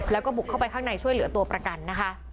แล้วก็บุกเข้าไปข้างในช่วยเหลือตัวประกันนะคะ